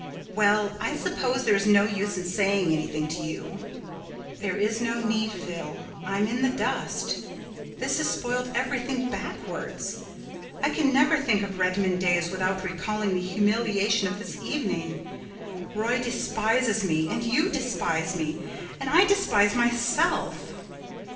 "Well, I suppose there is no use in saying anything to you." "There is no need, Phil. I'm in the dust. This has spoiled everything backwards. I can never think of Redmond days without recalling the humiliation of this evening. Roy despises me—and you despise me—and I despise myself."